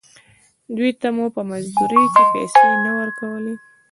دوې ته مو په مزدورۍ کښې پيسې نه ورکولې.